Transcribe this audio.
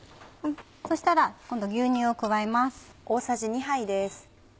そしたら今度牛乳を加えます。